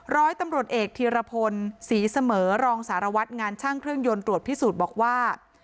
ร้อยตำรวจเอกธีรพลศรีเสมอรองสารวัตรงานช่างเครื่องยนต์ตรวจพิสูจน์บอกว่า